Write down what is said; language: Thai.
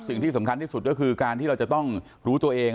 สิ่งที่สำคัญที่สุดก็คือการที่เราจะต้องรู้ตัวเอง